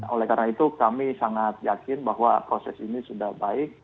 oleh karena itu kami sangat yakin bahwa proses ini sudah baik